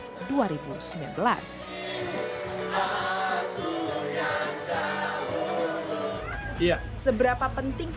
seberapa penting peran milenial